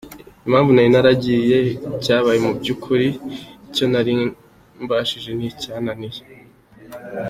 Impamvu nari naragiye, icyabaye mu by’ukuri, icyo nari mbashije n’icyananiye.